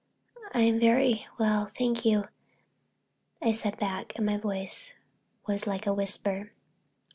"I'm very well, thank you," I said back, and my voice was like a whisper.